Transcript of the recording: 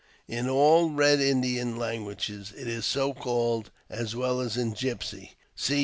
In all Eed Indian languages it is so called, as well as in Gypsy.